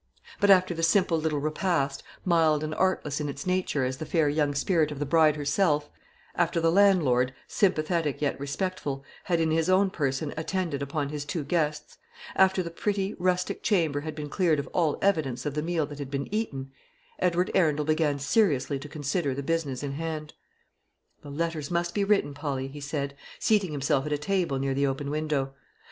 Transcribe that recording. But after the simple little repast, mild and artless in its nature as the fair young spirit of the bride herself; after the landlord, sympathetic yet respectful, had in his own person attended upon his two guests; after the pretty rustic chamber had been cleared of all evidence of the meal that had been eaten, Edward Arundel began seriously to consider the business in hand. "The letters must be written, Polly," he said, seating himself at a table near the open window.